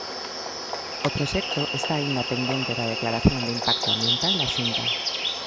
O proxecto está aínda pendente da declaración de impacto ambiental da Xunta.